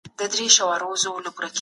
د فساد مخه بايد په هر حال کي ونيول سي.